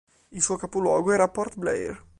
Il suo capoluogo era Port Blair.